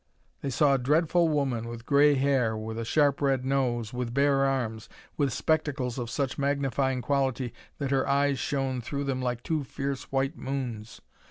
They saw a dreadful woman with gray hair, with a sharp red nose, with bare arms, with spectacles of such magnifying quality that her eyes shone through them like two fierce white moons.